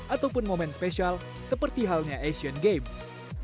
ataupun momen spesial seperti halnya asian games